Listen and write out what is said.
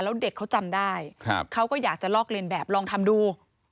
แล้วเด็กเขาจำได้เขาก็อยากจะลอกเลียนแบบลองทำดู